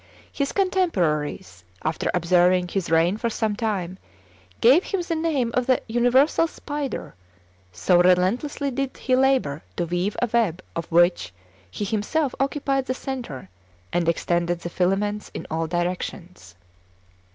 His contemporaries, after observing his reign for some time, gave him the name of the universal spider, so relentlessly did he labor to weave a web of which he himself occupied the centre and extended the filaments in all directions.